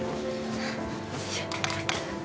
よいしょ。